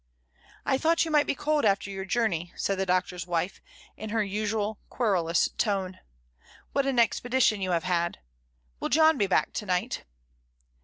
"I thought you might be cold after your journey," said the Doctor's wife, in her usual querulous tone. "What an expedition you have had; will John be back to night?"